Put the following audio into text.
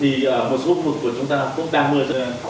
hiện tại một số cục của chúng ta đang mươi trên thiên vái chúng ta đúc mơ